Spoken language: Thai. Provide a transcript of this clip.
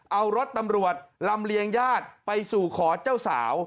เอารถตำรวจลำเลียงญาติไปสู่ขอเจ้าสาว